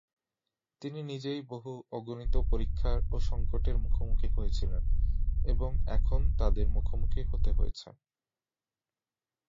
তিনি নিজেই বহু অগণিত পরীক্ষার ও সঙ্কটের মুখোমুখি হয়েছিলেন এবং এখন তাদের মুখোমুখি হতে হয়েছে।